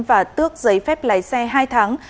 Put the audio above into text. và tước giấy phép lái xe hai tháng